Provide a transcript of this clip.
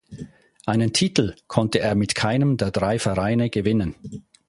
Einen Titel konnte er mit keinem der drei Vereine gewinnen.